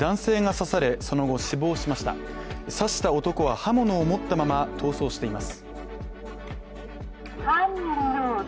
刺した男は刃物を持ったまま逃走しています。